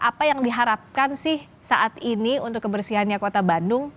apa yang diharapkan sih saat ini untuk kebersihannya kota bandung